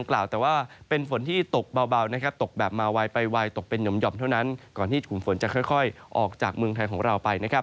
ก่อนที่กลุ่มฝนจะค่อยออกจากเมืองไทยของเราไป